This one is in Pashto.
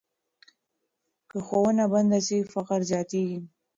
که ښوونه بنده سي، فقر زیاتېږي.